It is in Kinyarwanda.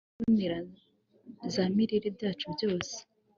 Mu bigo mbonezamirire byacu byose